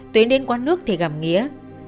tuyến đến quán nước thì gặp nghĩa